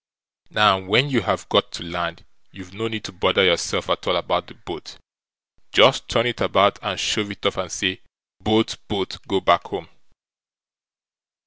Now, when you have got to land, you've no need to bother yourself at all about the boat; just turn it about, and shove it off, and say: Boat, boat, go back home!